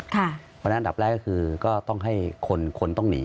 เพราะฉะนั้นอันดับแรกก็คือก็ต้องให้คนต้องหนี